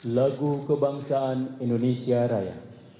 lagu kebangsaan indonesia raya